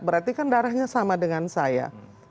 berarti kan darahnya sama dengan saya